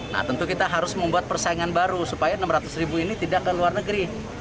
nah tentu kita harus membuat persaingan baru supaya enam ratus ribu ini tidak ke luar negeri